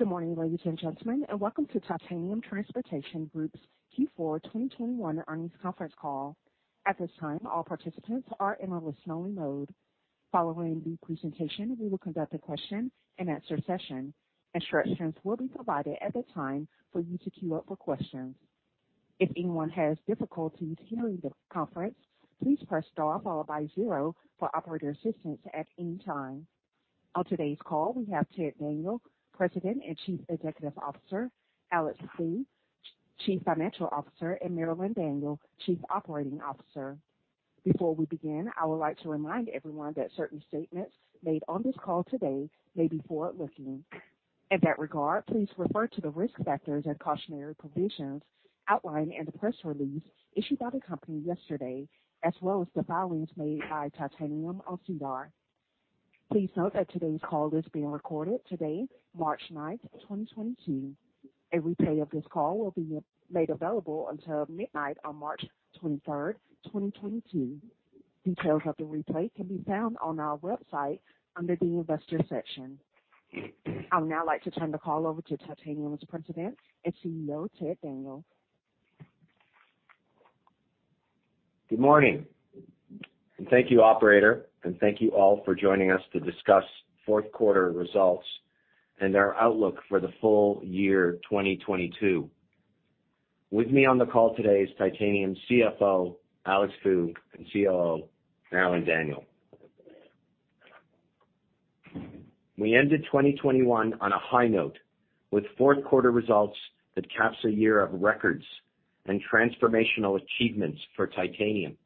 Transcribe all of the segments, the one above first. Good morning, ladies and gentlemen, and welcome to Titanium Transportation Group's Q4 2021 earnings conference call. At this time, all participants are in a listening mode. Following the presentation, we will conduct a question-and-answer session. Instructions will be provided at the time for you to queue up for questions. If anyone has difficulties hearing the conference, please press star followed by zero for operator assistance at any time. On today's call, we have Ted Daniel, President and Chief Executive Officer, Alex Fu, Chief Financial Officer, and Marilyn Daniel, Chief Operating Officer. Before we begin, I would like to remind everyone that certain statements made on this call today may be forward-looking. In that regard, please refer to the risk factors and cautionary provisions outlined in the press release issued by the company yesterday, as well as the filings made by Titanium on SEDAR. Please note that today's call is being recorded today, March 9th, 2022. A replay of this call will be made available until midnight on March 23rd, 2022. Details of the replay can be found on our website under the Investors section. I would now like to turn the call over to Titanium's President and CEO, Ted Daniel. Good morning, and thank you, operator, and thank you all for joining us to discuss fourth quarter results and our outlook for the full year 2022. With me on the call today is Titanium's CFO, Alex Fu, and COO, Marilyn Daniel. We ended 2021 on a high note with fourth quarter results that caps a year of records and transformational achievements for Titanium.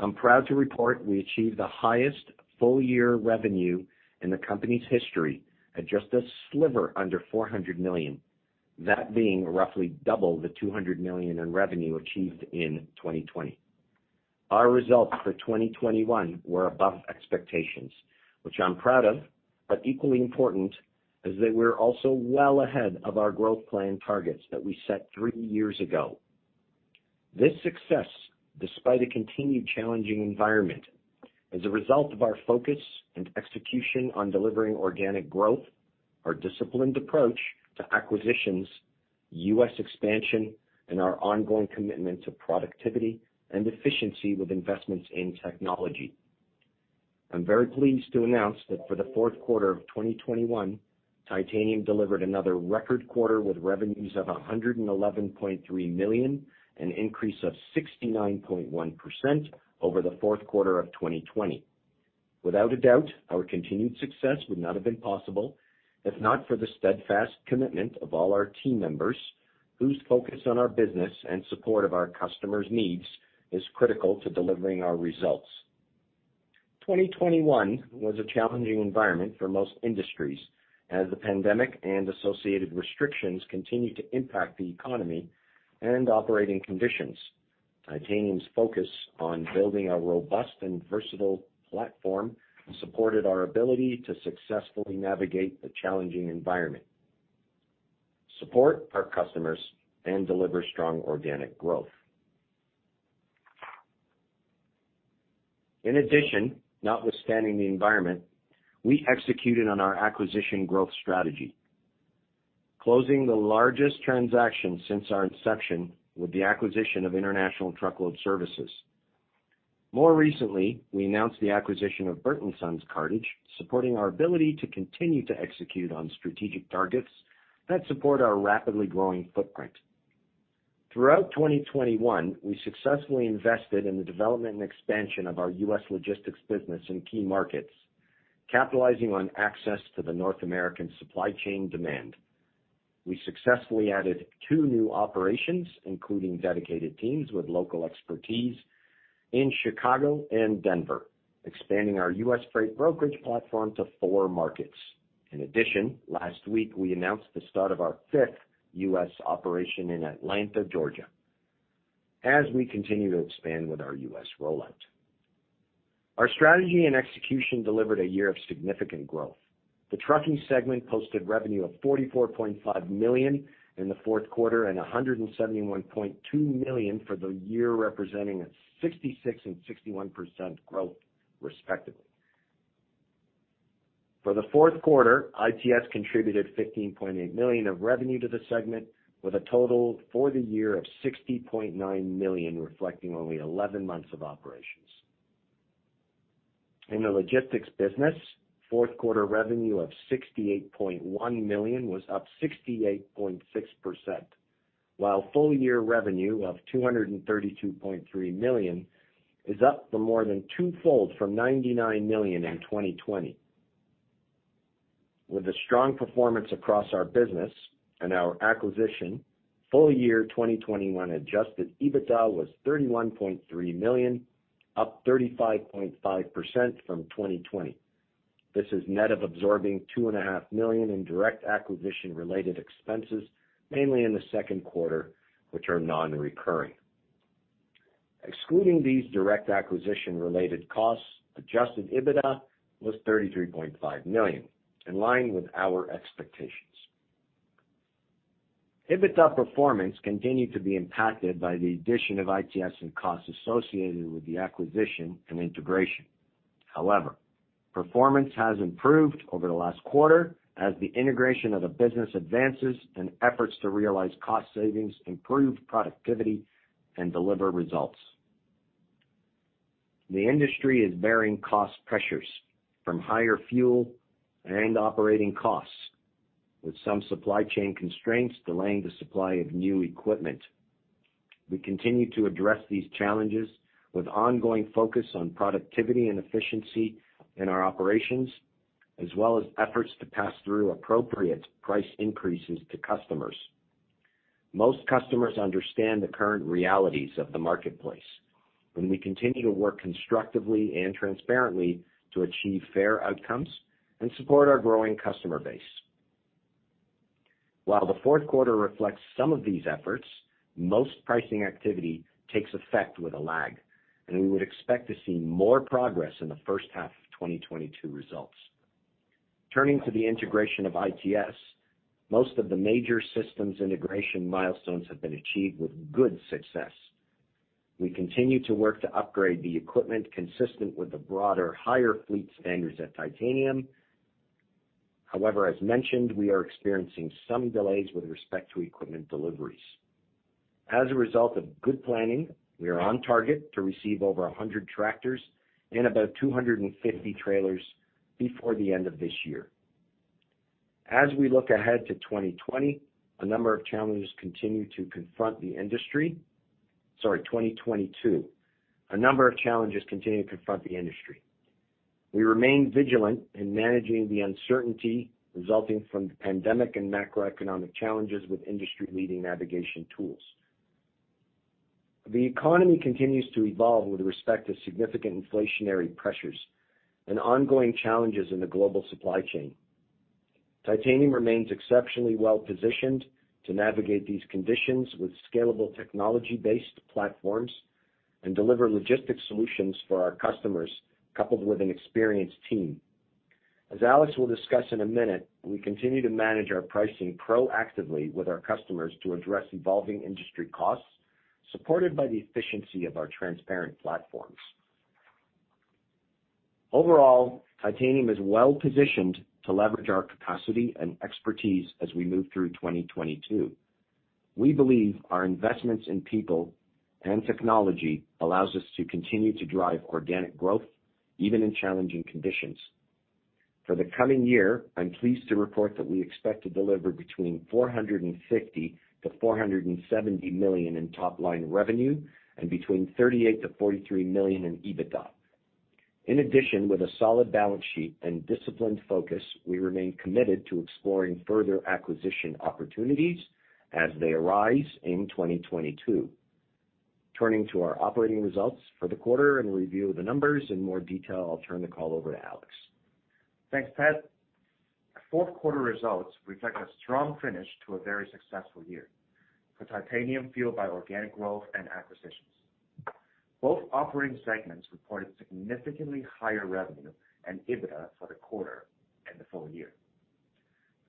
I'm proud to report we achieved the highest full-year revenue in the company's history at just a sliver under 400 million, that being roughly double the 200 million in revenue achieved in 2020. Our results for 2021 were above expectations, which I'm proud of, but equally important is that we're also well ahead of our growth plan targets that we set three years ago. This success, despite a continued challenging environment, as a result of our focus and execution on delivering organic growth, our disciplined approach to acquisitions, U.S. expansion, and our ongoing commitment to productivity and efficiency with investments in technology. I'm very pleased to announce that for the fourth quarter of 2021, Titanium delivered another record quarter with revenues of 111.3 million, an increase of 69.1% over the fourth quarter of 2020. Without a doubt, our continued success would not have been possible if not for the steadfast commitment of all our team members, whose focus on our business and support of our customers' needs is critical to delivering our results. 2021 was a challenging environment for most industries as the pandemic and associated restrictions continued to impact the economy and operating conditions. Titanium's focus on building a robust and versatile platform supported our ability to successfully navigate the challenging environment, support our customers, and deliver strong organic growth. In addition, notwithstanding the environment, we executed on our acquisition growth strategy, closing the largest transaction since our inception with the acquisition of International Truckload Services Group. More recently, we announced the acquisition of Bert and Son's Cartage, supporting our ability to continue to execute on strategic targets that support our rapidly growing footprint. Throughout 2021, we successfully invested in the development and expansion of our U.S. logistics business in key markets, capitalizing on access to the North American supply chain demand. We successfully added two new operations, including dedicated teams with local expertise in Chicago and Denver, expanding our U.S. freight brokerage platform to four markets. In addition, last week we announced the start of our fifth U.S. operation in Atlanta, Georgia as we continue to expand with our U.S. rollout. Our strategy and execution delivered a year of significant growth. The trucking segment posted revenue of 44.5 million in the fourth quarter and 171.2 million for the year, representing 66% and 61% growth, respectively. For the fourth quarter, ITS contributed 15.8 million of revenue to the segment, with a total for the year of 60.9 million, reflecting only 11 months of operations. In the logistics business, fourth quarter revenue of 68.1 million was up 68.6%, while full-year revenue of 232.3 million is up more than two-fold from 99 million in 2020. With a strong performance across our business and our acquisition, full year 2021 adjusted EBITDA was 31.3 million, up 35.5% from 2020. This is net of absorbing 2.5 million in direct acquisition-related expenses, mainly in the second quarter, which are non-recurring. Excluding these direct acquisition-related costs, adjusted EBITDA was 33.5 million, in line with our expectations. EBITDA performance continued to be impacted by the addition of ITS and costs associated with the acquisition and integration. However, performance has improved over the last quarter as the integration of the business advances and efforts to realize cost savings improve productivity and deliver results. The industry is bearing cost pressures from higher fuel and operating costs, with some supply chain constraints delaying the supply of new equipment. We continue to address these challenges with ongoing focus on productivity and efficiency in our operations, as well as efforts to pass through appropriate price increases to customers. Most customers understand the current realities of the marketplace, and we continue to work constructively and transparently to achieve fair outcomes and support our growing customer base. While the fourth quarter reflects some of these efforts, most pricing activity takes effect with a lag, and we would expect to see more progress in the first half of 2022 results. Turning to the integration of ITS, most of the major systems integration milestones have been achieved with good success. We continue to work to upgrade the equipment consistent with the broader, higher fleet standards at Titanium. However, as mentioned, we are experiencing some delays with respect to equipment deliveries. As a result of good planning, we are on target to receive over 100 tractors and about 250 trailers before the end of this year. As we look ahead to 2022, a number of challenges continue to confront the industry. We remain vigilant in managing the uncertainty resulting from the pandemic and macroeconomic challenges with industry-leading navigation tools. The economy continues to evolve with respect to significant inflationary pressures and ongoing challenges in the global supply chain. Titanium remains exceptionally well-positioned to navigate these conditions with scalable technology-based platforms and deliver logistics solutions for our customers, coupled with an experienced team. As Alex will discuss in a minute, we continue to manage our pricing proactively with our customers to address evolving industry costs, supported by the efficiency of our transparent platforms. Overall, Titanium is well-positioned to leverage our capacity and expertise as we move through 2022. We believe our investments in people and technology allows us to continue to drive organic growth even in challenging conditions. For the coming year, I'm pleased to report that we expect to deliver between 450 million to 470 million in top line revenue and between 38 million to 43 million in EBITDA. In addition, with a solid balance sheet and disciplined focus, we remain committed to exploring further acquisition opportunities as they arise in 2022. Turning to our operating results for the quarter and review of the numbers in more detail, I'll turn the call over to Alex. Thanks, Ted. Our fourth quarter results reflect a strong finish to a very successful year for Titanium, fueled by organic growth and acquisitions. Both operating segments reported significantly higher revenue and EBITDA for the quarter and the full year.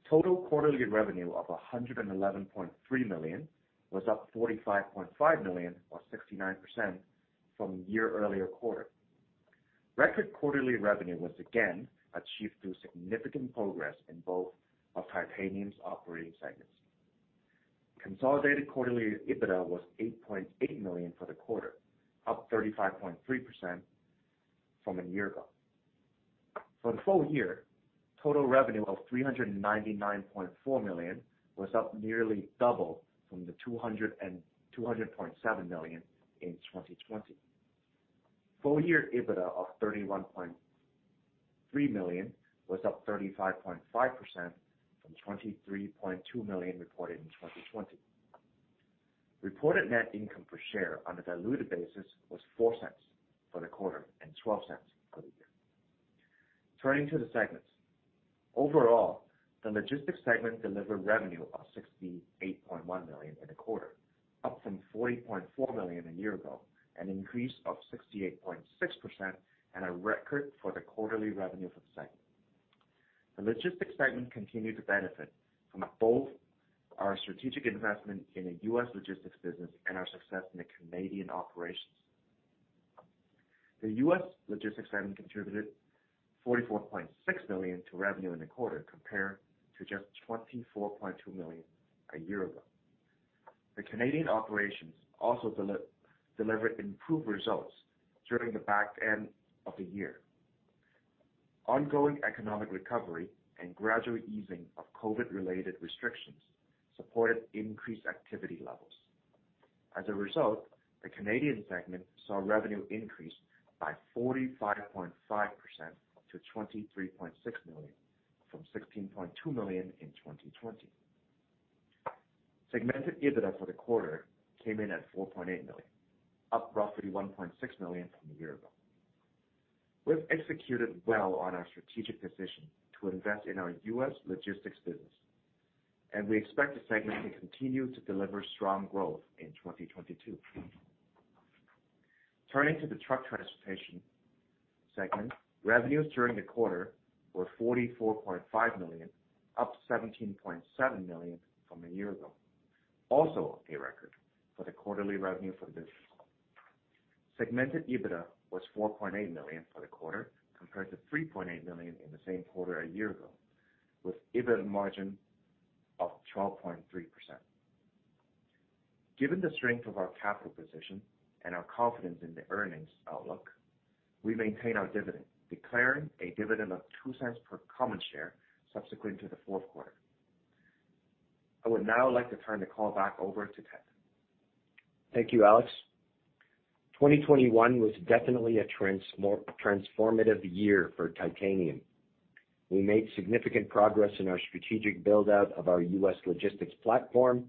Total quarterly revenue of 111.3 million was up 45.5 million or 69% from year-earlier quarter. Record quarterly revenue was again achieved through significant progress in both of Titanium's operating segments. Consolidated quarterly EBITDA was 8.8 million for the quarter, up 35.3% from a year ago. For the full year, total revenue of 399.4 million was up nearly double from the 200.7 million in 2020. Full year EBITDA of CAD 31.3 million was up 35.5% from CAD 23.2 million reported in 2020. Reported net income per share on a diluted basis was 0.04 for the quarter and 0.12 for the year. Turning to the segments. Overall, the logistics segment delivered revenue of 68.1 million in the quarter, up from 40.4 million a year ago, an increase of 68.6% and a record for the quarterly revenue for the segment. The logistics segment continued to benefit from both our strategic investment in the U.S. logistics business and our success in the Canadian operations. The U.S. logistics segment contributed 44.6 million to revenue in the quarter, compared to just 24.2 million a year ago. The Canadian operations also delivered improved results during the back-end of the year. Ongoing economic recovery and gradual easing of COVID-related restrictions supported increased activity levels. As a result, the Canadian segment saw revenue increase by 45.5% to 23.6 million from 16.2 million in 2020. Segmented EBITDA for the quarter came in at 4.8 million, up roughly 1.6 million from a year ago. We've executed well on our strategic decision to invest in our U.S. logistics business, and we expect the segment to continue to deliver strong growth in 2022. Turning to the truck transportation segment, revenues during the quarter were 44.5 million, up 17.7 million from a year ago. Also a record for the quarterly revenue for the business. Segmented EBITDA was 4.8 million for the quarter compared to 3.8 million in the same quarter a year ago, with EBITDA margin of 12.3%. Given the strength of our capital position and our confidence in the earnings outlook, we maintain our dividend, declaring a dividend of 0.02 per common share subsequent to the fourth quarter. I would now like to turn the call back over to Ted. Thank you, Alex. 2021 was definitely a transformative year for Titanium. We made significant progress in our strategic build-out of our U.S. logistics platform,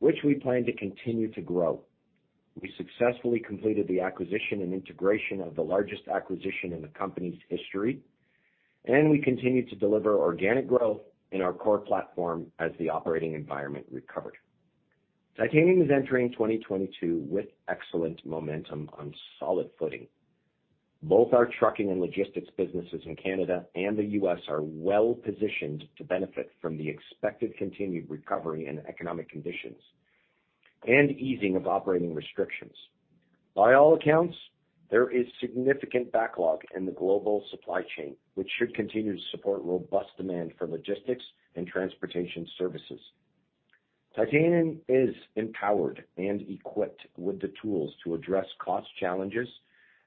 which we plan to continue to grow. We successfully completed the acquisition and integration of the largest acquisition in the company's history, and we continued to deliver organic growth in our core platform as the operating environment recovered. Titanium is entering 2022 with excellent momentum on solid footing. Both our trucking and logistics businesses in Canada and the U.S. are well-positioned to benefit from the expected continued recovery in economic conditions and easing of operating restrictions. By all accounts, there is significant backlog in the global supply chain, which should continue to support robust demand for logistics and transportation services. Titanium is empowered and equipped with the tools to address cost challenges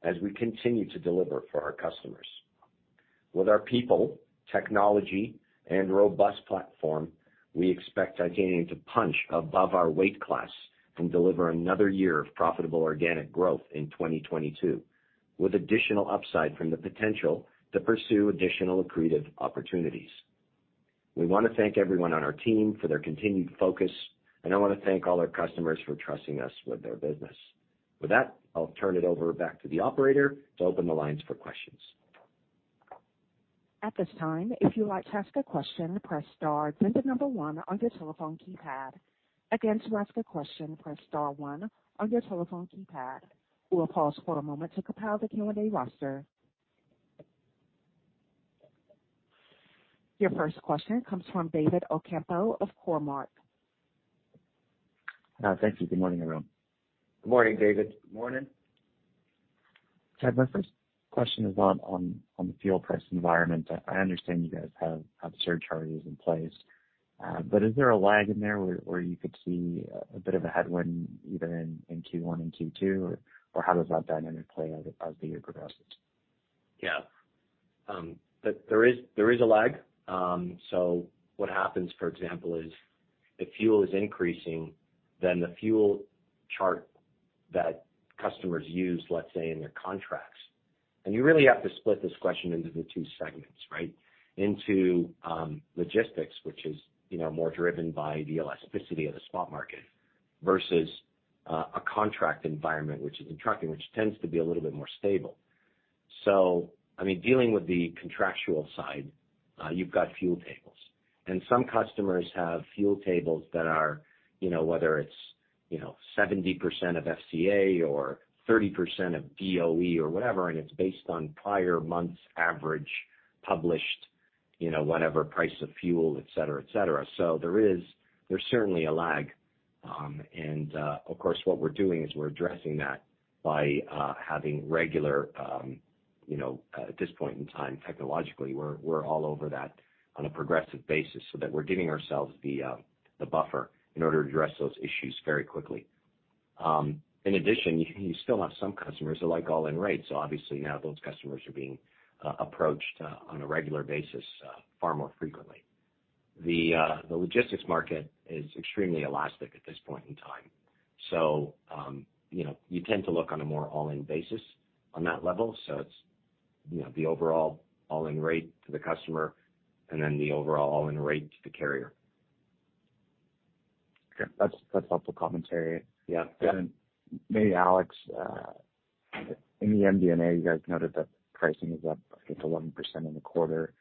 as we continue to deliver for our customers. With our people, technology, and robust platform, we expect Titanium to punch above our weight class and deliver another year of profitable organic growth in 2022, with additional upside from the potential to pursue additional accretive opportunities. We wanna thank everyone on our team for their continued focus, and I wanna thank all our customers for trusting us with their business. With that, I'll turn it over back to the operator to open the lines for questions. Your first question comes from David Ocampo of Cormark. Thank you. Good morning, everyone. Good morning, David. Good morning. Ted, my first question is on the fuel price environment. I understand you guys have surcharges in place. Is there a lag in there where you could see a bit of a headwind even in Q1 and Q2? Or how does that dynamic play out as the year progresses? Yeah. There is a lag. What happens, for example, is if fuel is increasing, then the fuel chart that customers use, let's say, in their contracts. You really have to split this question into the two segments, right? Into logistics, which is, you know, more driven by the elasticity of the spot market versus a contract environment, which is in trucking, which tends to be a little bit more stable. I mean, dealing with the contractual side, you've got fuel tables, and some customers have fuel tables that are, you know, whether it's, you know, 70% of FCA or 30% of DOE or whatever, and it's based on prior months average published, you know, whatever price of fuel, et cetera, et cetera. There is certainly a lag. Of course, what we're doing is we're addressing that by having regular, you know, at this point in time, technologically, we're all over that on a progressive basis so that we're giving ourselves the buffer in order to address those issues very quickly. In addition, you still have some customers who like all-in rates. Obviously now those customers are being approached on a regular basis, far more frequently. The logistics market is extremely elastic at this point in time. You know, you tend to look on a more all-in basis on that level. It's, you know, the overall all-in rate to the customer and then the overall all-in rate to the carrier. Okay. That's helpful commentary. Yeah. Maybe Alex, in the MD&A you guys noted that pricing was up, I think, 11% in the quarter.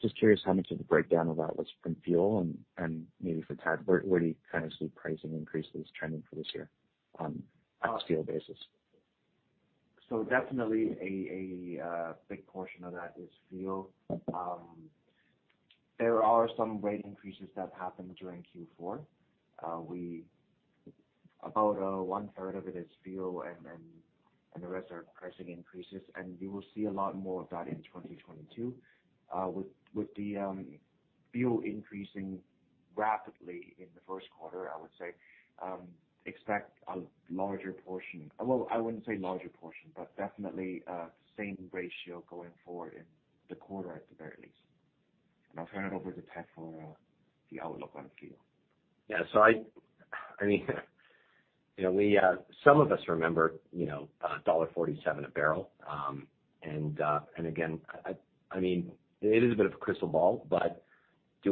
Just curious how much of the breakdown of that was from fuel and maybe for Ted, where do you kind of see pricing increases trending for this year on a scale basis? Definitely a big portion of that is fuel. There are some rate increases that happened during Q4. About 1/3 of it is fuel and then the rest are pricing increases. You will see a lot more of that in 2022. With the fuel increasing rapidly in the first quarter, I would say expect a larger portion. I wouldn't say larger portion, but definitely same ratio going forward in the quarter at the very least. I'll turn it over to Ted for the outlook on fuel. Yeah. I mean, you know, some of us remember, you know, $47 a barrel. And again, I mean, it is a bit of a crystal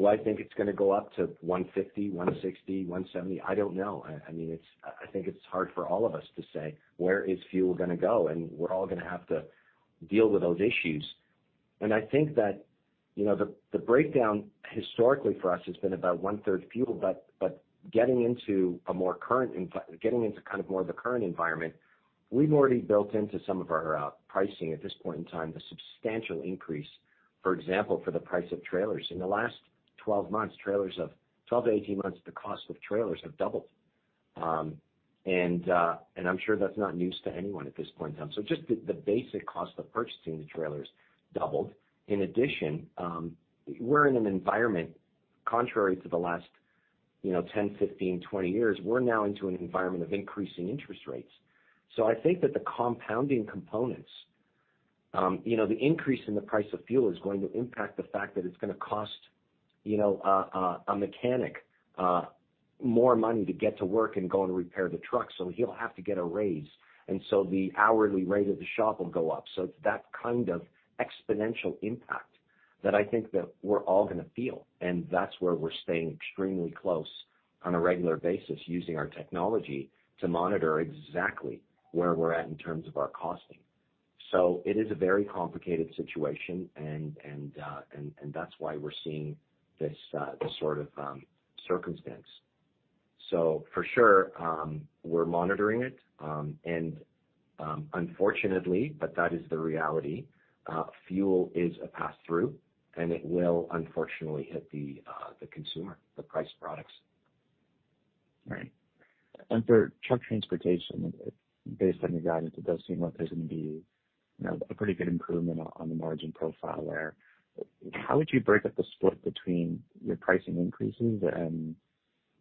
ball, but do I think it's gonna go up to 150, 160, 170? I don't know. I mean, it's I think it's hard for all of us to say where is fuel gonna go, and we're all gonna have to deal with those issues. I think that, you know, the breakdown historically for us has been about 1/3 fuel, but getting into kind of more of a current environment, we've already built into some of our pricing at this point in time, the substantial increase, for example, for the price of trailers. In the last 12 months, trailers have... 12-18 months, the cost of trailers have doubled. I'm sure that's not news to anyone at this point in time. Just the basic cost of purchasing the trailers doubled. In addition, we're in an environment contrary to the last, you know, 10, 15, 20 years. We're now into an environment of increasing interest rates. I think that the compounding components, you know, the increase in the price of fuel is going to impact the fact that it's gonna cost, you know, a mechanic more money to get to work and go and repair the truck, so he'll have to get a raise. The hourly rate of the shop will go up. It's that kind of exponential impact that I think that we're all gonna feel, and that's where we're staying extremely close on a regular basis using our technology to monitor exactly where we're at in terms of our costing. It is a very complicated situation and that's why we're seeing this sort of circumstance. For sure, we're monitoring it, and unfortunately, but that is the reality, fuel is a pass-through, and it will unfortunately hit the consumer, the price of products. Right. For truck transportation, based on your guidance, it does seem like there's gonna be, you know, a pretty good improvement on the margin profile there. How would you break up the split between your pricing increases and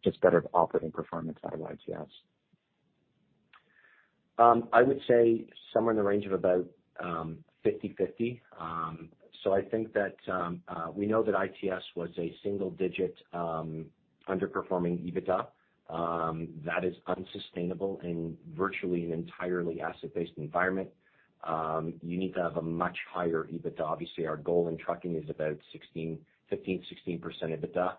just better operating performance out of ITS? I would say somewhere in the range of about 50/50. So I think that we know that ITS was a single-digit underperforming EBITDA. That is unsustainable in virtually an entirely asset-based environment. You need to have a much higher EBITDA. Obviously, our goal in trucking is about 16%, 15%, 16%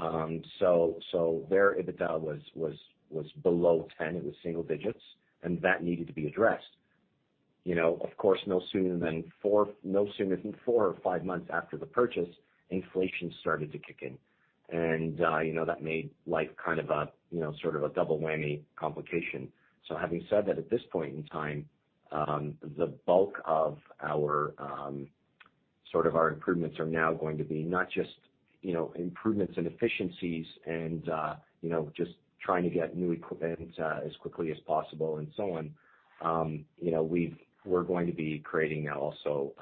EBITDA. So their EBITDA was below 10%, it was single digits, and that needed to be addressed. You know, of course, no sooner than four or five months after the purchase, inflation started to kick in. You know, that made life kind of a, you know, sort of a double whammy complication. Having said that, at this point in time, the bulk of our sort of our improvements are now going to be not just, you know, improvements in efficiencies and, you know, just trying to get new equipment as quickly as possible and so on. You know, we're going to be creating also,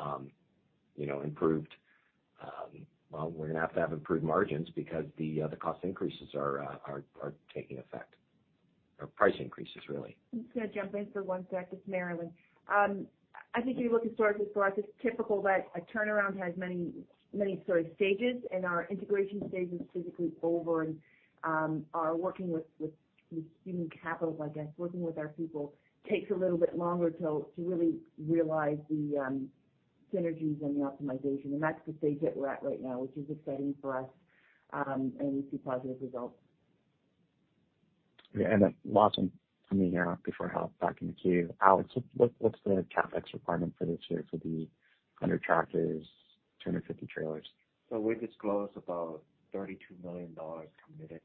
you know, improved. Well, we're gonna have to have improved margins because the cost increases are taking effect, or price increases really. I'm just gonna jump in for one sec. It's Marilyn. I think if you look historically for us, it's typical that a turnaround has many, many sort of stages, and our integration stage is physically over and we're working with human capital, I guess. Working with our people takes a little bit longer to really realize the synergies and the optimization, and that's the stage that we're at right now, which is exciting for us, and we see positive results. Yeah. Then last one from me here before I hop back in the queue. Alex, what's the CapEx requirement for this year for the 100 tractors, 250 trailers? We disclosed about 32 million dollars committed.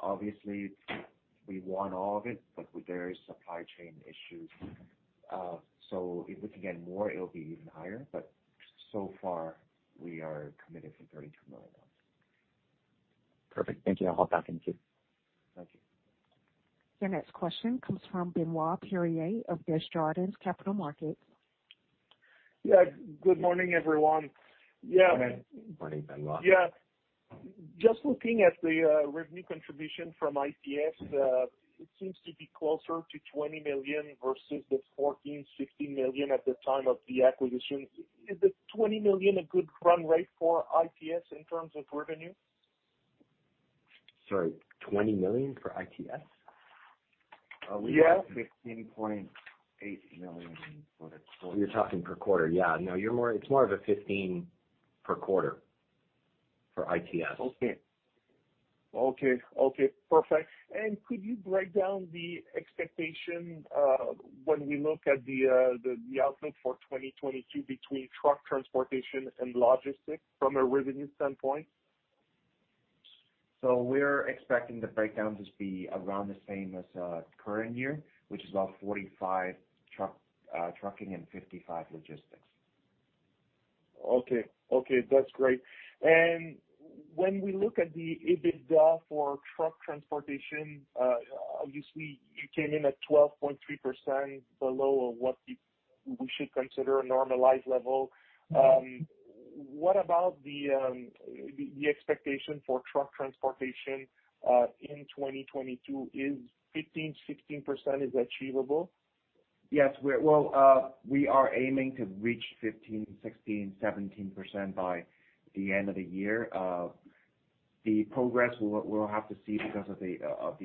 Obviously we want all of it, but there is supply chain issues. If we can get more, it'll be even higher. We are committed for 32 million dollars. Perfect. Thank you. I'll hop back in the queue. Thank you. Your next question comes from Benoit Poirier of Desjardins Capital Markets. Yeah. Good morning, everyone. Yeah. Morning. Morning, Benoit. Yeah. Just looking at the revenue contribution from ITS, it seems to be closer to 20 million versus the 14 million-15 million at the time of the acquisition. Is the 20 million a good run rate for ITS in terms of revenue? Sorry, 20 million for ITS? Yeah. We have 15.8 million for the quarter. You're talking per quarter. Yeah. No, It's more of a 15 million per quarter for ITS. Okay. Perfect. Could you break down the expectation when we look at the outlook for 2022 between truck transportation and logistics from a revenue standpoint? We're expecting the breakdown to be around the same as current year, which is about 45% trucking and 55% logistics. Okay. Okay, that's great. When we look at the EBITDA for truck transportation, obviously you came in at 12.3% below what we should consider a normalized level. What about the expectation for truck transportation in 2022? Is 15%-16% achievable? Yes. We are aiming to reach 15%, 16%, 17% by the end of the year. The progress we'll have to see because of the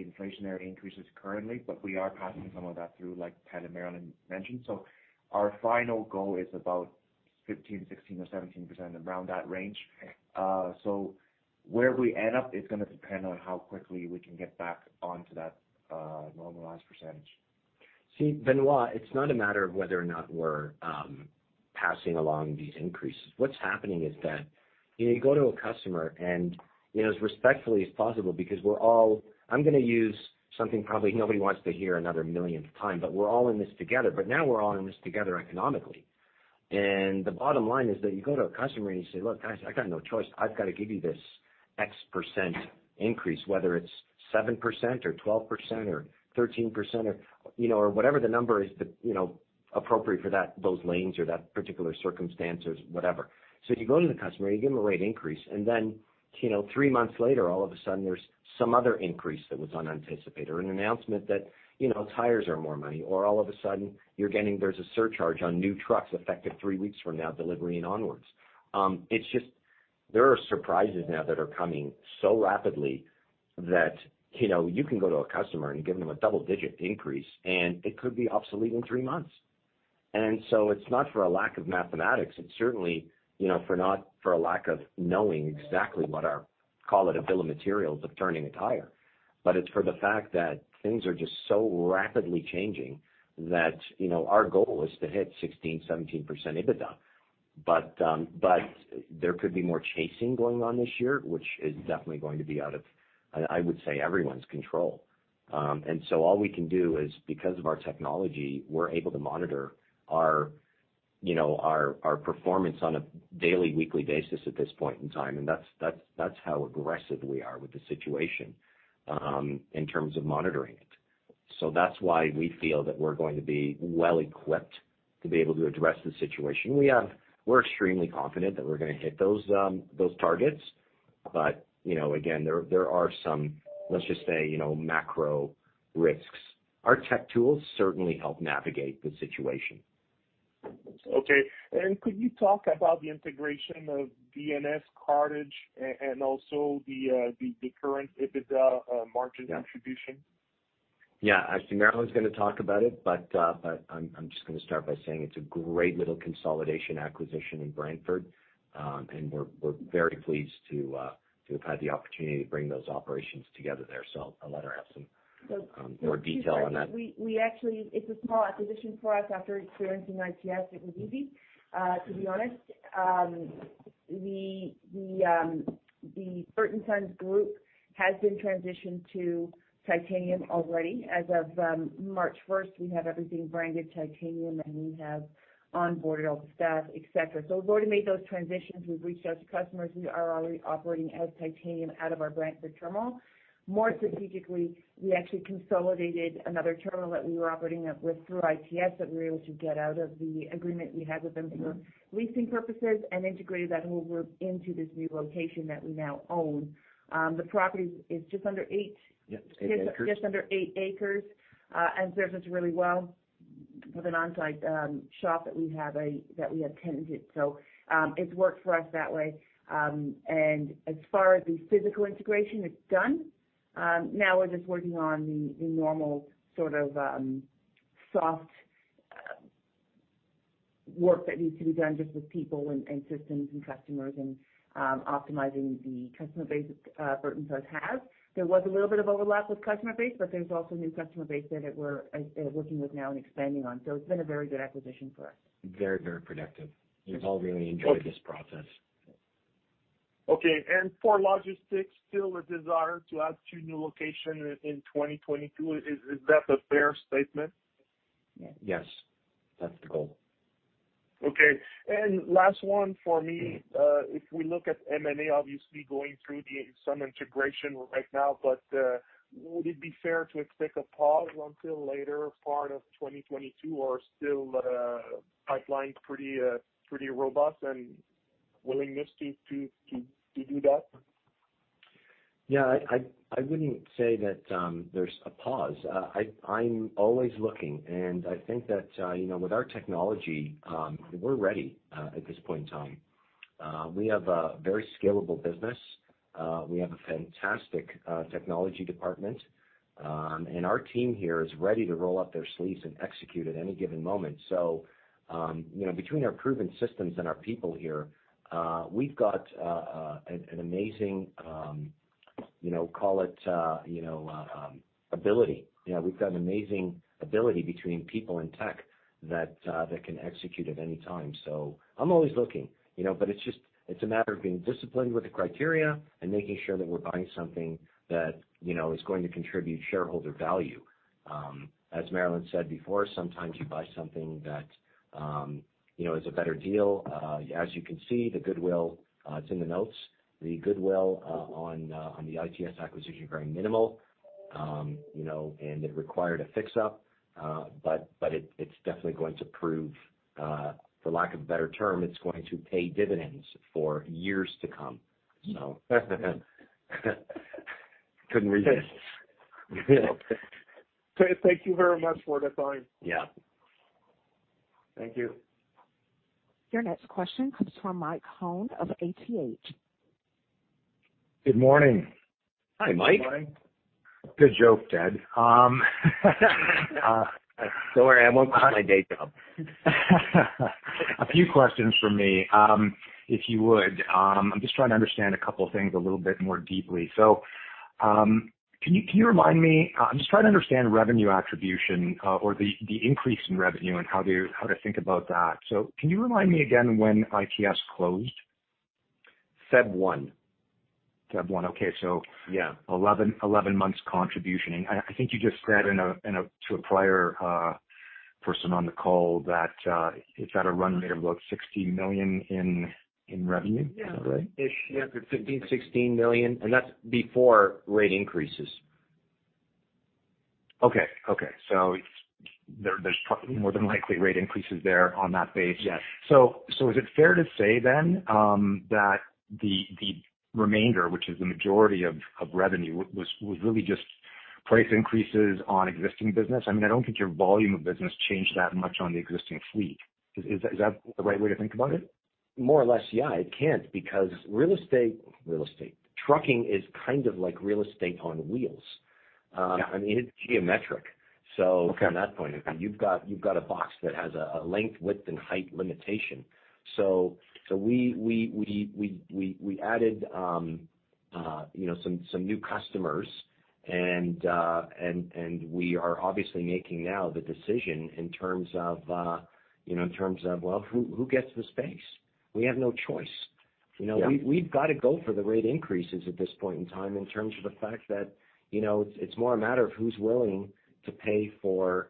inflationary increases currently, but we are passing some of that through like Pat and Marilyn mentioned. Our final goal is about 15%, 16% or 17%, around that range. Where we end up is gonna depend on how quickly we can get back onto that, normalized percentage. See, Benoit, it's not a matter of whether or not we're passing along these increases. What's happening is that you go to a customer and, you know, as respectfully as possible because we're all. I'm gonna use something probably nobody wants to hear another millionth time, but we're all in this together. Now we're all in this together economically. The bottom line is that you go to a customer and you say, "Look, guys, I got no choice. I've got to give you this X% increase," whether it's 7% or 12% or 13% or, you know, or whatever the number is that, you know, appropriate for that those lanes or that particular circumstance or whatever. You go to the customer and you give them a rate increase. you know, three months later, all of a sudden there's some other increase that was unanticipated or an announcement that, you know, tires are more money or all of a sudden you're getting there's a surcharge on new trucks effective three weeks from now delivery and onwards. It's just there are surprises now that are coming so rapidly that, you know, you can go to a customer and give them a double-digit increase, and it could be obsolete in three months. It's not for a lack of mathematics. It's certainly, you know, for a lack of knowing exactly what our, call it a bill of materials of turning a tire. It's for the fact that things are just so rapidly changing that, you know, our goal is to hit 16%-17% EBITDA. There could be more chasing going on this year, which is definitely going to be out of everyone's control. All we can do is because of our technology, we're able to monitor our, you know, our performance on a daily, weekly basis at this point in time. That's how aggressive we are with the situation, in terms of monitoring it. That's why we feel that we're going to be well equipped to be able to address the situation. We're extremely confident that we're gonna hit those targets. You know, again, there are some, let's just say, you know, macro risks. Our tech tools certainly help navigate the situation. Okay. Could you talk about the integration of Bert and Son's Cartage and also the current EBITDA margin contribution? Yeah. Actually, Marilyn's gonna talk about it, but I'm just gonna start by saying it's a great little consolidation acquisition in Brantford. We're very pleased to have had the opportunity to bring those operations together there. I'll let her have some more detail on that. We actually, it's a small acquisition for us after experiencing ITS. It was easy, to be honest. The Bert and Son's Cartage has been transitioned to Titanium already. As of March first, we have everything branded Titanium, and we have onboarded all the staff, et cetera. We've already made those transitions. We've reached out to customers. We are already operating as Titanium out of our Brantford terminal. More strategically, we actually consolidated another terminal that we were operating up with through ITS that we were able to get out of the agreement we had with them for leasing purposes and integrated that whole group into this new location that we now own. The property is just under 8 Yes, eight acres. Just under eight acres and serves us really well with an on-site shop that we have tenanted. It's worked for us that way. As far as the physical integration, it's done. Now we're just working on the normal sort of soft work that needs to be done just with people and systems and customers and optimizing the customer base Bert and Son's has. There was a little bit of overlap with customer base, but there's also a new customer base there that we're working with now and expanding on. It's been a very good acquisition for us. Very, very productive. We've all really enjoyed this process. Okay. For logistics, still a desire to add two new locations in 2022. Is that a fair statement? Yes. That's the goal. Okay. Last one for me. If we look at M&A obviously going through some integration right now, but would it be fair to expect a pause until later part of 2022 or still pipeline's pretty robust and willingness to do that? Yeah, I wouldn't say that there's a pause. I'm always looking, and I think that you know, with our technology, we're ready at this point in time. We have a very scalable business. We have a fantastic technology department. Our team here is ready to roll up their sleeves and execute at any given moment. You know, between our proven systems and our people here, we've got an amazing you know, call it ability. You know, we've got an amazing ability between people and tech that can execute at any time. I'm always looking, you know, but it's just a matter of being disciplined with the criteria and making sure that we're buying something that, you know, is going to contribute shareholder value. As Marilyn said before, sometimes you buy something that, you know, is a better deal. As you can see, the goodwill, it's in the notes. The goodwill on the ITS acquisition, very minimal. You know, and it required a fix-up, but it's definitely going to prove, for lack of a better term, it's going to pay dividends for years to come. Couldn't resist. Okay. Thank you very much for the time. Yeah. Thank you. Your next question comes from Mike Hone of ATH. Good morning. Hi, Mike. Good joke, Ted. Sorry, I'm working on my day job. A few questions from me, if you would. I'm just trying to understand a couple of things a little bit more deeply. I'm just trying to understand revenue attribution, or the increase in revenue and how to think about that. Can you remind me again when ITS closed? February 1. February 1. Okay. Yeah. 11 months contribution. I think you just said to a prior person on the call that it's at a run rate of about 16 million in revenue. Is that right? Yeah. Ish. Yeah. 15 million-16 million, and that's before rate increases. There, there's more than likely rate increases there on that base. Yes. is it fair to say then, that the remainder, which is the majority of revenue, was really just price increases on existing business? I mean, I don't think your volume of business changed that much on the existing fleet. Is that the right way to think about it? More or less, yeah. It can't because real estate. Trucking is kind of like real estate on wheels. I mean, it's geometric. Okay. From that point of view, you've got a box that has a length, width, and height limitation. We added, you know, some new customers and we are obviously making now the decision in terms of, you know, in terms of, well, who gets the space. We have no choice. Yeah. You know, we've got to go for the rate increases at this point in time in terms of the fact that, you know, it's more a matter of who's willing to pay for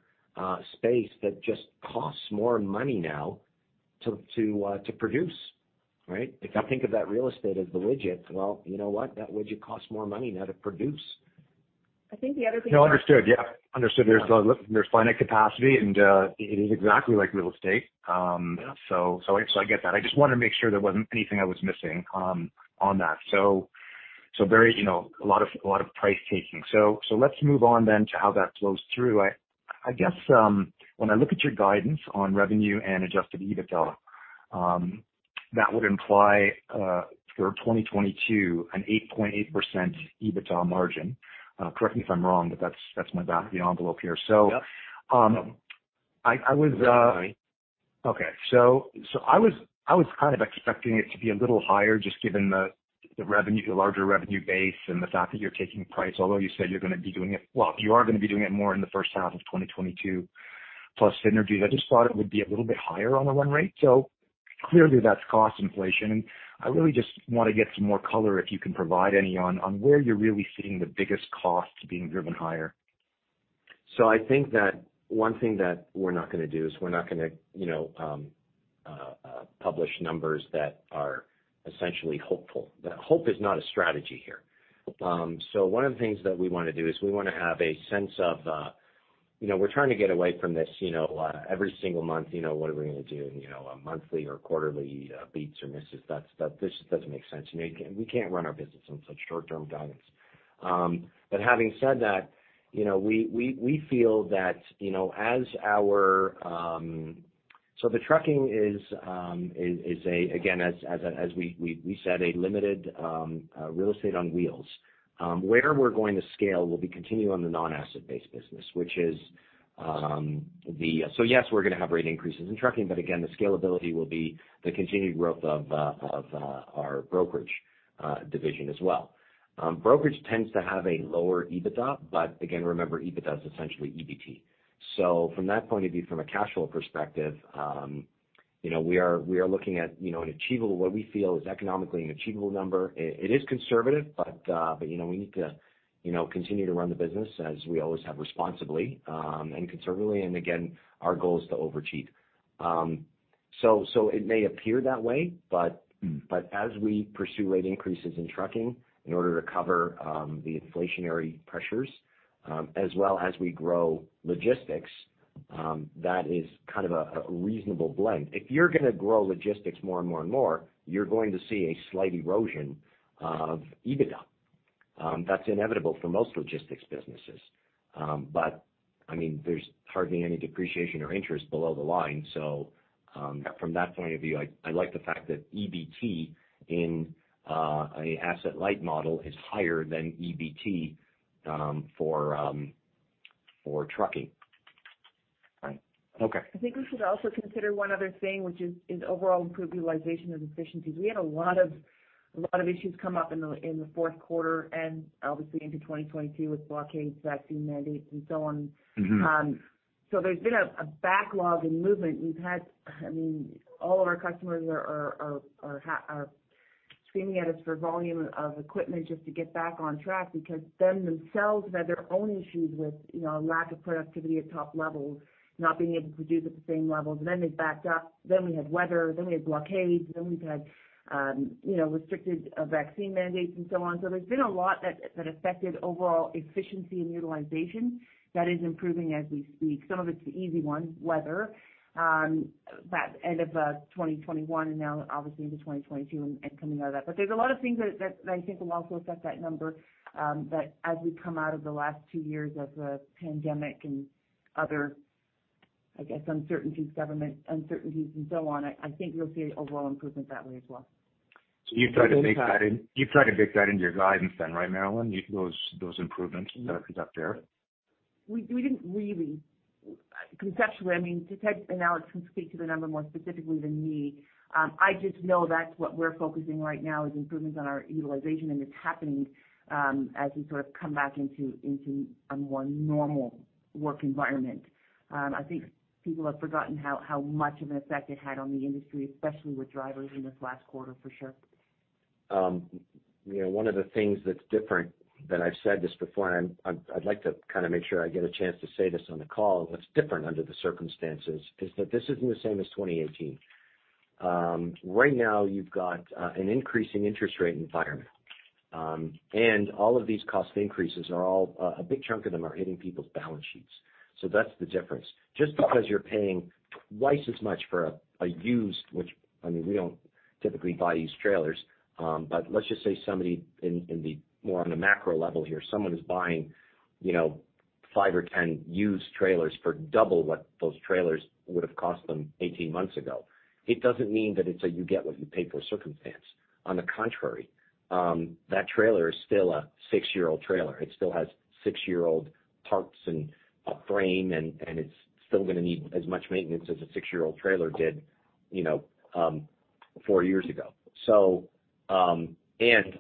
space that just costs more money now to produce, right? If I think of that real estate as the widget, well, you know what? That widget costs more money now to produce. I think the other thing. No. Understood. Yeah. Understood. There's finite capacity, and it is exactly like real estate. I get that. I just wanted to make sure there wasn't anything I was missing on that. Very, you know, a lot of price taking. Let's move on to how that flows through. I guess when I look at your guidance on revenue and adjusted EBITDA, that would imply for 2022 an 8.8% EBITDA margin. Correct me if I'm wrong, but that's my back of the envelope here. Yep. I was kind of expecting it to be a little higher just given the revenue, the larger revenue base and the fact that you're taking price, although you said you're gonna be doing it. Well, you are gonna be doing it more in the first half of 2022 plus synergies. I just thought it would be a little bit higher on the run rate. Clearly that's cost inflation. I really just want to get some more color, if you can provide any, on where you're really seeing the biggest cost being driven higher. I think that one thing that we're not gonna do is publish numbers that are essentially hopeful. The hope is not a strategy here. One of the things that we wanna do is have a sense of, you know, we're trying to get away from this, you know, every single month, you know, what are we gonna do, you know, a monthly or quarterly beats or misses. That just doesn't make sense. We can't run our business on such short-term guidance. Having said that, you know, we feel that the trucking is, again, as we said, a limited real estate on wheels. So yes, we're gonna have rate increases in trucking, but again, the scalability will be the continued growth of our brokerage division as well. Brokerage tends to have a lower EBITDA, but again, remember, EBITDA is essentially EBT. So from that point of view, from a cash flow perspective, you know, we are looking at, you know, an achievable, what we feel is economically an achievable number. It is conservative, but you know, we need to, you know, continue to run the business as we always have responsibly and conservatively. Our goal is to overachieve. So it may appear that way, but Mm. As we pursue rate increases in trucking in order to cover the inflationary pressures, as well as we grow logistics, that is kind of a reasonable blend. If you're gonna grow logistics more and more and more, you're going to see a slight erosion of EBITDA. That's inevitable for most logistics businesses. I mean, there's hardly any depreciation or interest below the line. From that point of view, I like the fact that EBT in an asset-light model is higher than EBT for trucking. Right. Okay. I think we should also consider one other thing, which is overall improved utilization and efficiencies. We had a lot of issues come up in the fourth quarter and obviously into 2022 with blockades, vaccine mandates, and so on. Mm-hmm. So there's been a backlog in movement. We've had, I mean, all of our customers are screaming at us for volume of equipment just to get back on track because they themselves have had their own issues with, you know, lack of productivity at top levels, not being able to produce at the same levels. Then they backed up. We had weather, then we had blockades, then we've had, you know, restricted vaccine mandates and so on. There's been a lot that affected overall efficiency and utilization that is improving as we speak. Some of it's the easy one, weather, that end of 2021 and now obviously into 2022 and coming out of that. There's a lot of things that I think will also affect that number, that as we come out of the last two years of the pandemic and other, I guess, uncertainties, government uncertainties and so on. I think you'll see overall improvement that way as well. You've tried to bake that into your guidance then, right, Marilyn? Those improvements that are out there. We didn't really. Conceptually, I mean, Ted and Alex can speak to the number more specifically than me. I just know that's what we're focusing right now is improvements on our utilization, and it's happening as we sort of come back into a more normal work environment. I think people have forgotten how much of an effect it had on the industry, especially with drivers in this last quarter, for sure. You know, one of the things that's different, that I've said this before, and I'd like to kind of make sure I get a chance to say this on the call, what's different under the circumstances is that this isn't the same as 2018. Right now you've got an increasing interest rate environment. All of these cost increases are all a big chunk of them are hitting people's balance sheets. That's the difference. Just because you're paying twice as much for a used, which, I mean, we don't typically buy these trailers, but let's just say somebody in the more on the macro level here, someone is buying, you know, five or 10 used trailers for double what those trailers would have cost them 18 months ago. It doesn't mean that it's a you get what you pay for circumstance. On the contrary, that trailer is still a six-year-old trailer. It still has six-year-old parts and a frame, and it's still gonna need as much maintenance as a six-year-old trailer did, you know, four years ago.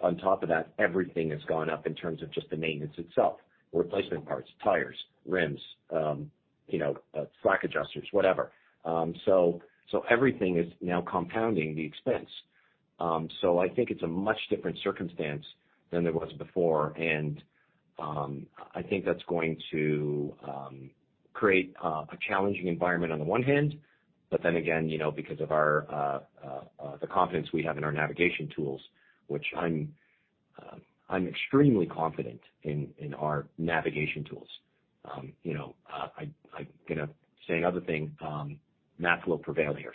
On top of that, everything has gone up in terms of just the maintenance itself, replacement parts, tires, rims, you know, slack adjusters, whatever. Everything is now compounding the expense. I think it's a much different circumstance than there was before. I think that's going to create a challenging environment on the one hand. Then again, you know, because of the confidence we have in our navigation tools, which I'm extremely confident in our navigation tools. You know, I'm gonna say another thing, math will prevail here.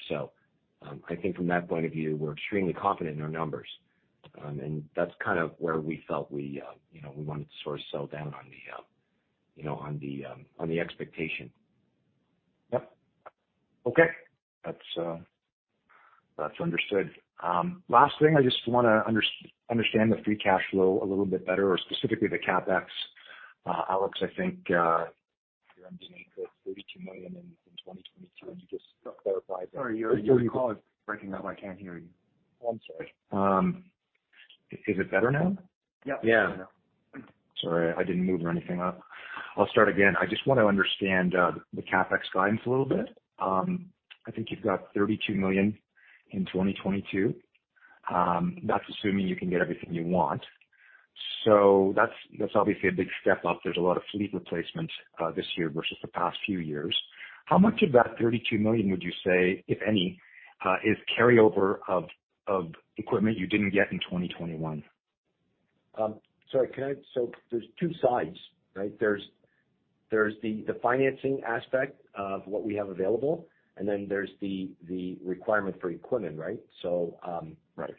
I think from that point of view, we're extremely confident in our numbers. That's kind of where we felt, you know, we wanted to sort of settle down on the expectation. Yep. Okay. That's understood. Last thing, I just wanna understand the free cash flow a little bit better, or specifically the CapEx. Alex, I think you're indicating 32 million in 2022. Can you just clarify Sorry, your call is breaking up. I can't hear you. Oh, I'm sorry. Is it better now? Yeah. Yeah. Sorry, I didn't move or anything. I'll start again. I just wanna understand the CapEx guidance a little bit. I think you've got 32 million in 2022. That's assuming you can get everything you want. That's obviously a big step up. There's a lot of fleet replacement this year versus the past few years. How much of that 32 million would you say, if any, is carryover of equipment you didn't get in 2021? There's two sides, right? There's the financing aspect of what we have available, and then there's the requirement for equipment, right? Right.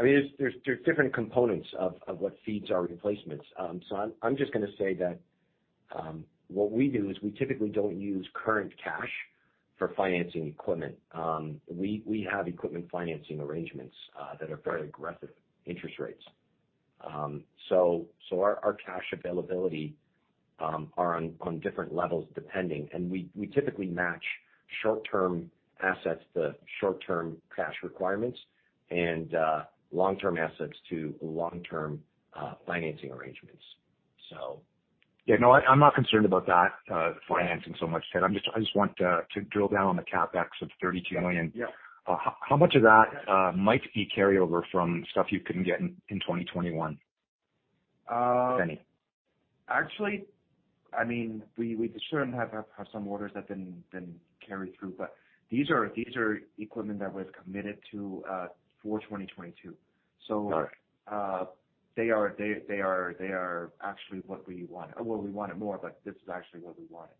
I mean, there's different components of what feeds our replacements. I'm just gonna say that what we do is we typically don't use current cash for financing equipment. We have equipment financing arrangements that are very aggressive interest rates. Our cash availability are on different levels, depending. We typically match short-term assets to short-term cash requirements and long-term assets to long-term financing arrangements. Yeah, no, I'm not concerned about that financing so much, Ted. I just want to drill down on the CapEx of 32 million. Yeah. How much of that might be carryover from stuff you couldn't get in in 2021? If any. Actually, I mean, we certainly have some orders that been carried through, but these are equipment that was committed to for 2022. All right. They are actually what we wanted. Well, we wanted more, but this is actually what we wanted.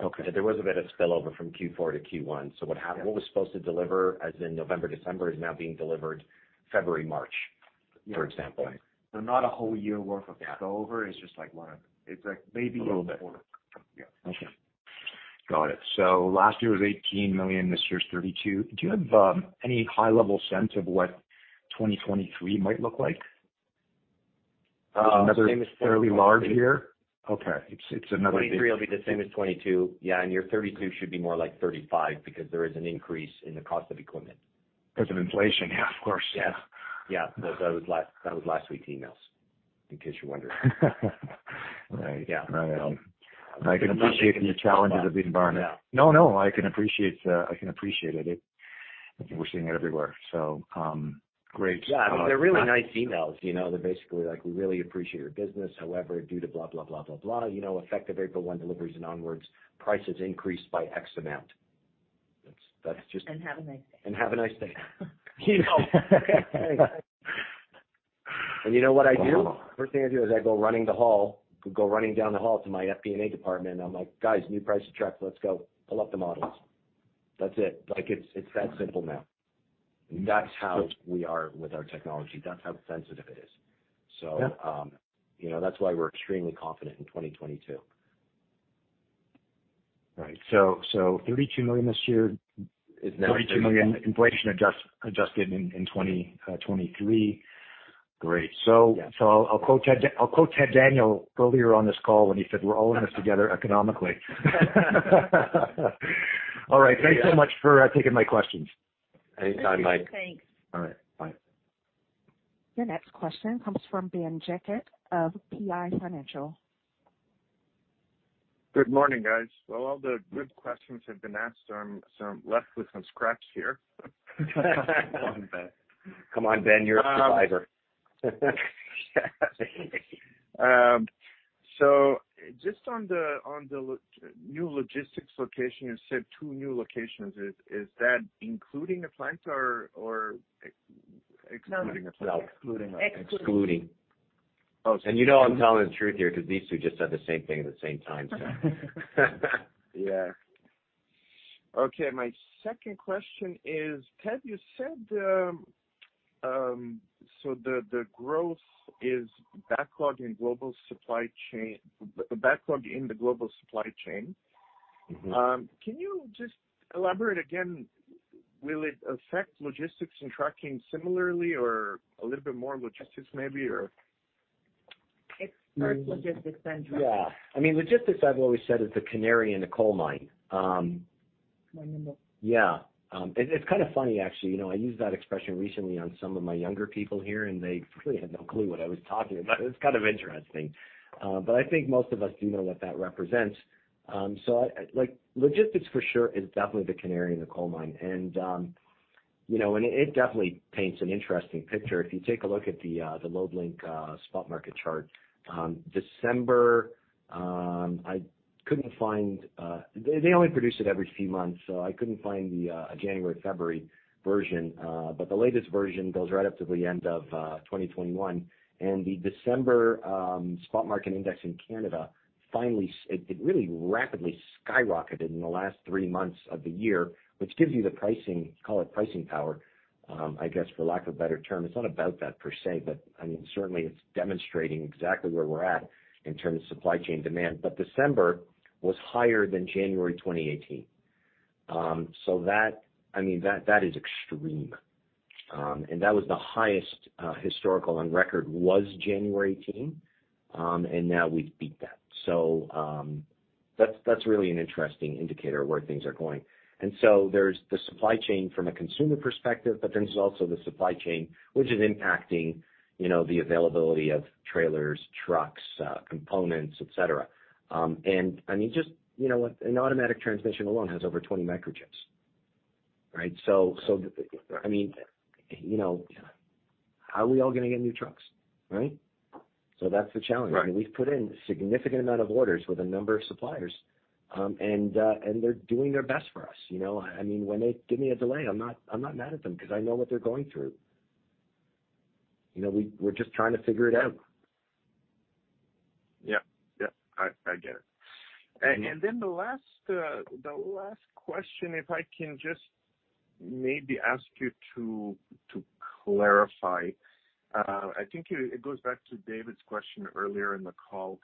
Okay. There was a bit of spillover from Q4 to Q1. Yeah. What was supposed to be delivered in November, December is now being delivered in February, March. Yeah. For example. Not a whole year worth of spillover. Yeah. It's just like one. It's like maybe a quarter. A little bit. Yeah. Okay. Got it. Last year was 18 million, this year's 32 million. Do you have any high-level sense of what 2023 might look like? Is it another fairly large year? Uh, Okay. It's another big- 2023 will be the same as 2022. Yeah, your 32 should be more like 35 because there is an increase in the cost of equipment. Because of inflation. Yeah, of course. Yeah. That was last week's emails, in case you're wondering. Right. Yeah. All right. I can appreciate the challenges of the environment. Yeah. No, I can appreciate it. We're seeing it everywhere. Great. Yeah, they're really nice emails, you know, they're basically like, "We really appreciate your business. However, due to blah, blah, blah, you know, effective April one deliveries and onwards, prices increased by X amount." That's just- Have a nice day. Have a nice day. You know what I do? First thing I do is I go running down the hall to my FP&A department, and I'm like, "Guys, new price of trucks. Let's go. Pull up the models." That's it. Like, it's that simple now. That's how we are with our technology. That's how sensitive it is. Yeah. you know, that's why we're extremely confident in 2022. Right. 32 million this year. 32 million inflation adjusted in 2023. Great. Yeah. I'll quote Ted Daniel earlier on this call when he said, "We're all in this together economically." All right. Yeah. Thanks so much for taking my questions. Anytime, Mike. Thanks. All right, bye. Your next question comes from Ben Jekic of PI Financial. Good morning, guys. Well, all the good questions have been asked, so I'm left with some scraps here. Come on, Ben. You're a survivor. Just on the new logistics location, you said 2 new locations. Is that including the plants or excluding the plants? No. No, excluding. Excluding. Oh. You know I'm telling the truth here 'cause these two just said the same thing at the same time, so. Yeah. Okay, my second question is, Ted, you said, so the growth is backlog in the global supply chain. Mm-hmm. Can you just elaborate again, will it affect logistics and trucking similarly or a little bit more logistics maybe or? It starts logistics then trucking. Yeah. I mean, logistics, I've always said, is the canary in the coal mine. My number. Yeah. It's kinda funny actually. You know, I used that expression recently on some of my younger people here, and they really had no clue what I was talking about. It's kind of interesting. I think most of us do know what that represents. Like logistics for sure is definitely the canary in the coal mine. It definitely paints an interesting picture. If you take a look at the Loadlink spot market chart, December, I couldn't find. They only produce it every few months, so I couldn't find the January, February version. The latest version goes right up to the end of 2021. The December spot market index in Canada finally skyrocketed in the last three months of the year, which gives you the pricing, call it pricing power, I guess, for lack of a better term. It's not about that per se, but I mean, certainly it's demonstrating exactly where we're at in terms of supply chain demand. December was higher than January 2018. I mean, that is extreme. That was the highest historical on record was January 2018. Now we've beat that. That's really an interesting indicator of where things are going. There's the supply chain from a consumer perspective, but then there's also the supply chain which is impacting, you know, the availability of trailers, trucks, components, et cetera. I mean, just, you know, an automatic transmission alone has over 20 microchips, right? I mean, you know, how are we all gonna get new trucks, right? That's the challenge. Right. I mean, we've put in a significant amount of orders with a number of suppliers, and they're doing their best for us, you know. I mean, when they give me a delay, I'm not mad at them 'cause I know what they're going through. You know, we're just trying to figure it out. Yeah, I get it. Mm-hmm. The last question, if I can just maybe ask you to clarify. I think it goes back to David's question earlier in the call.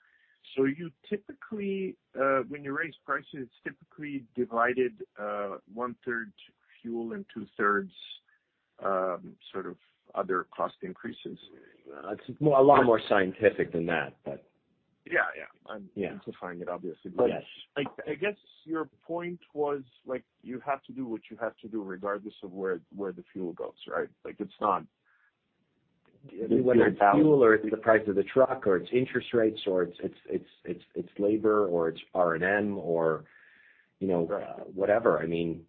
You typically, when you raise prices, it's typically divided 1/3 fuel and 2/3s sort of other cost increases. It's a lot more scientific than that, but. Yeah, yeah. Yeah. I'm simplifying it, obviously. Yes. I guess your point was, like, you have to do what you have to do regardless of where the fuel goes, right? Like, it's not. Whether it's fuel or it's the price of the truck or it's interest rates or it's labor or it's R&M or, you know, whatever. I mean,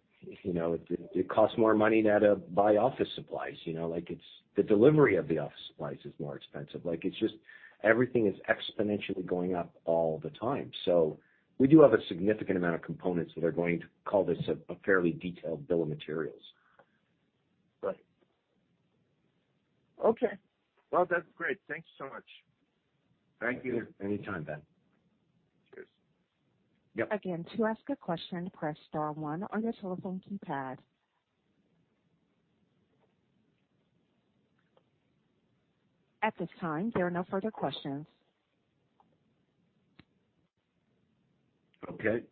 you know, it costs more money now to buy office supplies, you know. Like, it's the delivery of the office supplies is more expensive. Like, it's just everything is exponentially going up all the time. We do have a significant amount of components that are going to call this a fairly detailed bill of materials. Right. Okay. Well, that's great. Thank you so much. Thank you. Anytime, Ben. Cheers. Yep. Again, to ask a question, press star one on your telephone keypad. At this time, there are no further questions. Okay.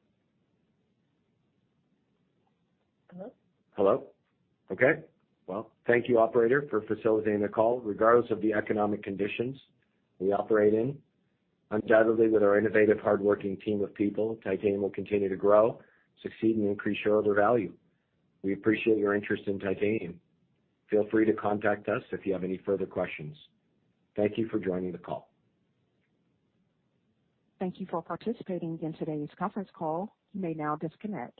Hello? Hello. Okay. Well, thank you, operator, for facilitating the call. Regardless of the economic conditions we operate in, undoubtedly with our innovative, hardworking team of people, Titanium will continue to grow, succeed and increase shareholder value. We appreciate your interest in Titanium. Feel free to contact us if you have any further questions. Thank you for joining the call. Thank you for participating in today's conference call. You may now disconnect.